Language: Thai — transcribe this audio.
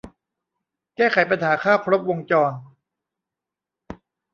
แก้ไขปัญหาข้าวครบวงจร